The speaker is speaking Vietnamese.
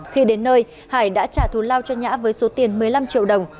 khi đến nơi hải đã trả thù lao cho nhã với số tiền một mươi năm triệu đồng